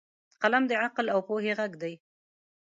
قلم د عقل او پوهې غږ دی